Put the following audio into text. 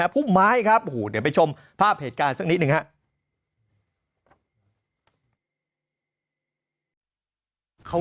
พุ่มไม้ครับเดี๋ยวไปชมภาพเหตุการณ์สักนิดหนึ่งครับ